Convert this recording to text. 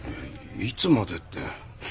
いつまでって。